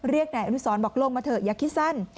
นายอนุสรบอกลงมาเถอะอย่าคิดสั้น